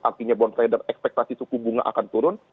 artinya bond rider ekspektasi suku bunga akan turun